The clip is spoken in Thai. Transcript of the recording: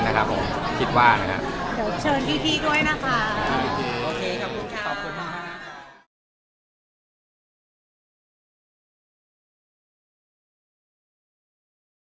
เดี๋ยวเชิญพี่ด้วยนะคะโอเคขอบคุณค่ะขอบคุณค่ะ